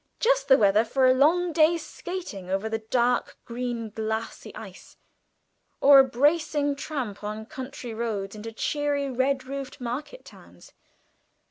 Just the weather for a long day's skating over the dark green glassy ice, or a bracing tramp on country roads into cheery red roofed market towns.